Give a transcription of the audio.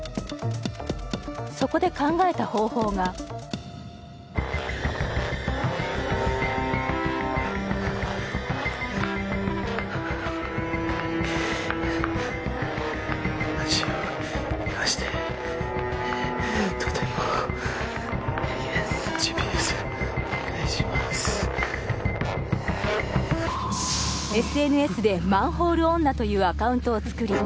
そこで考えた方法がＳＮＳで「マンホール女」というアカウントを作り